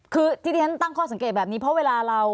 คือที่ที่ฉันตั้งข้อสังเกตแบบนี้เพราะเวลาเรา